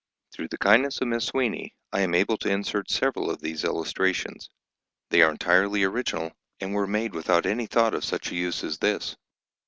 Through the kindness of Miss Sweeney, I am able to insert several of these illustrations. They are entirely original, and were made without any thought of such a use as this.